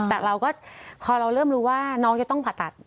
แต่เราก็พอเราเริ่มรู้ว่าน้องจะต้องผ่าตัด